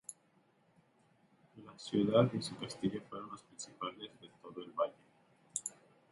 La ciudad y su castillo fueron los principales de todo el valle.